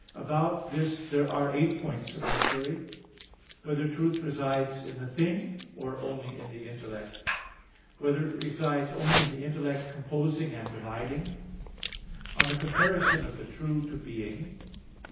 About this there are eight points of inquiry: (1) Whether truth resides in the thing, or only in the intellect? (2) Whether it resides only in the intellect composing and dividing? (3) On the comparison of the true to being.